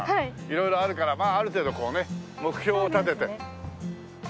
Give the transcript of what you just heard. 色々あるからまあある程度こうね目標を立てて。